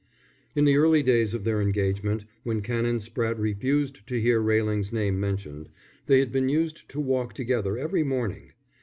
_ In the early days of their engagement, when Canon Spratte refused to hear Railing's name mentioned, they had been used to walk together every morning.